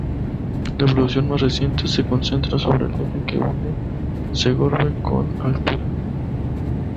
La evolución más reciente se concentra sobre el eje que une Segorbe con Altura.